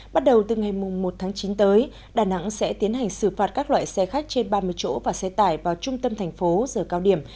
bắt đầu từ ngày một tháng chín tới đà nẵng sẽ tiến hành xử phạt các loại xe khách trên ba mươi chỗ và xe tải vào trung tâm thành phố giờ cao điểm